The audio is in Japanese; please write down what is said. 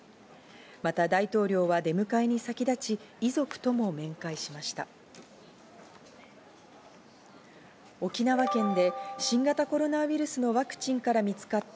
また大統領は出迎えに先立ち、遺族とも面会しました。